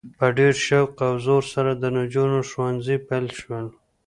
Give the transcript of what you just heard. په ډیر شوق او زور سره د نجونو ښونځي پیل شول؛